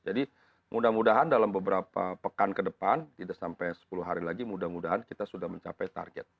jadi mudah mudahan dalam beberapa pekan ke depan tidak sampai sepuluh hari lagi mudah mudahan kita sudah mencapai target